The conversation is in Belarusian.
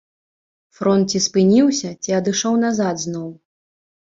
Фронт ці спыніўся, ці адышоў назад зноў.